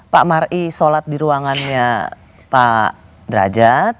pak marie sholat di ruangannya